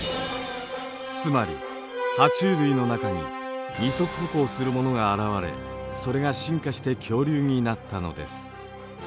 つまりハチュウ類の中に二足歩行するものが現れそれが進化して恐竜になったのです。